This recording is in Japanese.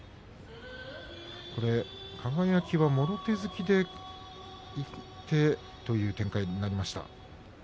輝は、もろ手突きでいって、という展開になりました。